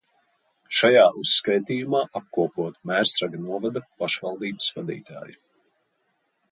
Šajā uzskaitījumā apkopoti Mērsraga novada pašvaldības vadītāji.